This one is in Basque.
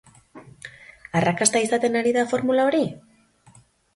Arrakasta izaten ari da formula hori?